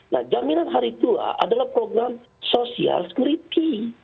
nah jaminan hari tua adalah program social security